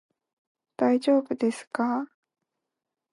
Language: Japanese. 大丈夫ですか？